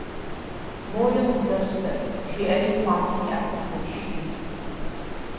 Мори къыздэщтэ, - жеӏэри пхъуантэм и Ӏэпэр хуеший.